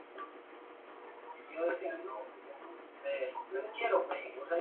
En ambas fachadas existen dos cuadrantes con relojes de sol.